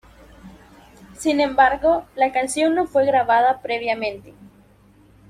Sin embargo, la canción no fue grabada previamente.